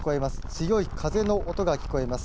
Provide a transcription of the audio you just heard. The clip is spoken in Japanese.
強い風の音が聞こえます。